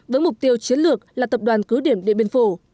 với mục tiêu chiến lược là tập đoàn cứu điểm địa biên phủ